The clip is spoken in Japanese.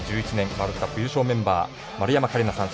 ワールドカップ優勝メンバー丸山桂里奈さん